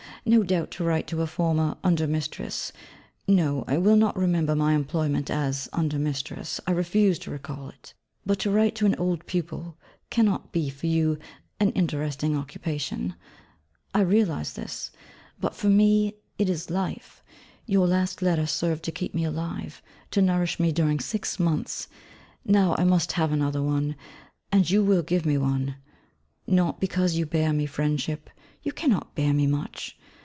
No doubt, to write to a former under mistress (no, I will not remember my employment as under mistress, I refuse to recall it), but to write to an old pupil, cannot be, for you, an interesting occupation. I realise this; but for me, it is life. Your last letter served to keep me alive, to nourish me during six months. Now I must have another one; and you will give me one. Not because you bear me friendship (you cannot bear me much!)